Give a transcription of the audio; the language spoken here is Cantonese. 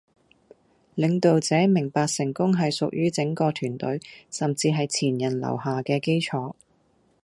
領導者明白成功係屬於整個團隊、甚至係前人留下嘅基礎。